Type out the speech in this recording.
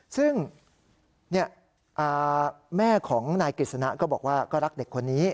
ซึ่งแม่ของนายกฤษณะก็บอกว่าก็รักเด็กคนนี้